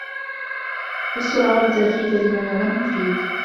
استر عورة أخيك لما يعلمه فيك